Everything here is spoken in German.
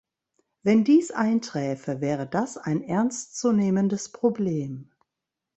Wenn dies einträfe, wäre das ein ernstzunehmendes Problem.